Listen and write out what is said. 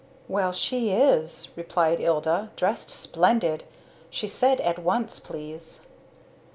"Well she is!" replied Ilda, "dressed splendid. She said 'at once, please.'"